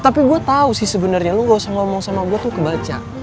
tapi gue tau sih sebenarnya lo gak usah ngomong sama gue tuh kebaca